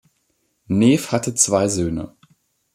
Neef hatte zwei Söhne.